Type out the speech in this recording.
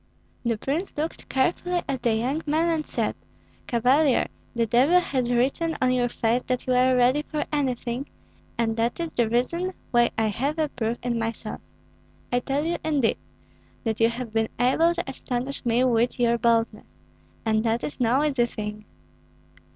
The prince looked carefully at the young man and said, "Cavalier, the devil has written on your face that you are ready for anything, and that is the reason why I have a proof in myself. I tell you, indeed, that you have been able to astonish me with your boldness, and that is no easy thing."